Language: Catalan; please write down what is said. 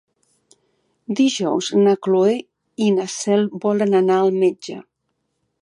Dijous na Cloè i na Cel volen anar al metge.